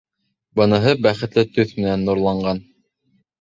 Быныһы бәхетле төҫ менән нурланған.